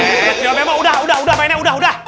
eh sinobemo udah udah udah mainnya udah udah